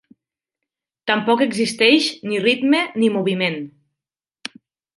Tampoc existeix ni ritme ni moviment.